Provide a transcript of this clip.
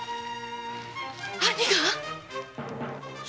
兄が！？